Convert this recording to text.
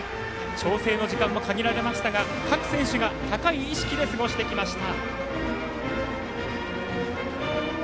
調整の時間も限られましたが各選手が高い意識で過ごしてきました。